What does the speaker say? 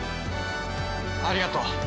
ありがとう。